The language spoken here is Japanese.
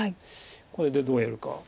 ここでどうやるか。